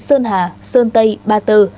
sơn hà sơn tây ba tơ